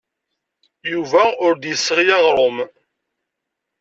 Yuba ur d-yesɣi aɣrum.